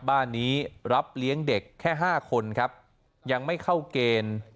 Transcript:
บ้านนี้รับเลี้ยงเด็กแค่ห้าคนครับยังไม่เข้าเกณฑ์